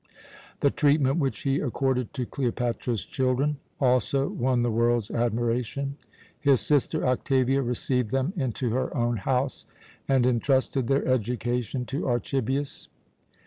The treatment which he accorded to Cleopatra's children also won the world's admiration. His sister Octavia received them into her own house and intrusted their education to Archibius.